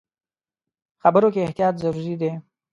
خبرو کې احتیاط ضروري دی.